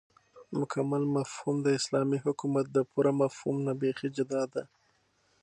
مكمل مفهوم داسلامي حكومت دپوره مفهوم نه بيخي جدا دى